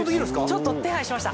ちょっと手配しました